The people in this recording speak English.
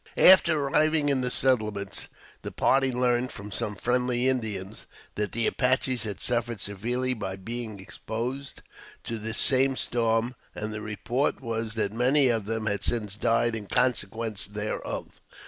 After arriving in the settlements; the party learned from some friendly Indians, that the Apaches had suffered severely by being exposed to this same storm, and the report was that many of them had since died in consequence thereof.